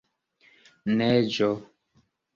neĝo